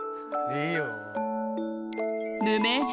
いいよ。